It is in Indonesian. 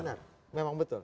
benar memang betul